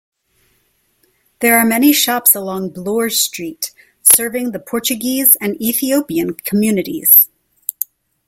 There are many shops along Bloor Street serving the Portuguese and Ethiopian communities.